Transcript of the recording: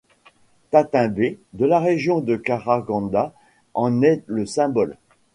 Tattimbet, de la région de Karaganda en est le symbole.